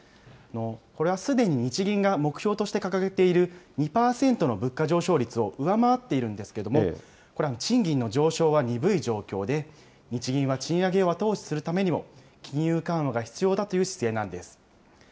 これはすでに日銀が目標として掲げている２％の物価上昇率を上回っているんですけれども、これは賃金の上昇は鈍い状況で、日銀は賃上げを後押しするためにも、金融緩和が必要だという姿勢なんです。